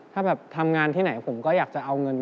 ถ้าแบบทำงานที่ไหนผมก็อยากจะเอาเงิน